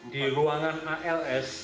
di ruangan als